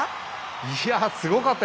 いやすごかった。